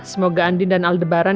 semoga andin dan aldebaran